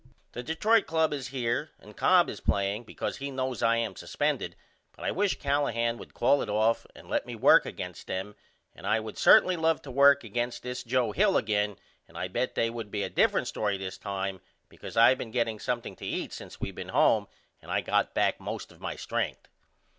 The Detroit Club is here and Cobb is playing because he knows I am suspended but I wish Callahan would call it off and let me work against them and I would certainly love to work against this Joe Hill again and I bet they would be a different story this time because I been getting something to eat since we been home and I got back most of my strenth.